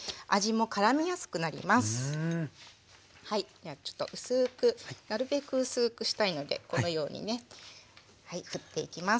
ではちょっと薄くなるべく薄くしたいのでこのようにねふっていきます。